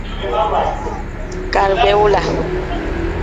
Foster and his American wife, Alice.